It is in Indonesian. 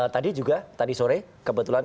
tadi juga tadi sore kebetulan